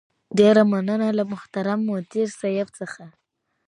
ډېره مننه له محترم مدير صيب څخه